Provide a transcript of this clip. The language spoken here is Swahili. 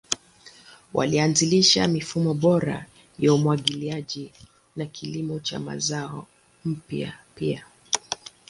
Walianzisha mifumo bora ya umwagiliaji na kilimo cha mazao mapya pia.